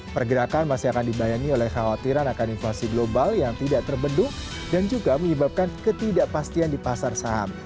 pergerakan masih akan dibayangi oleh khawatiran akan inflasi global yang tidak terbendung dan juga menyebabkan ketidakpastian di pasar saham